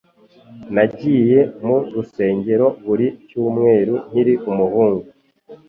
Nagiye mu rusengero buri cyumweru nkiri umuhungu.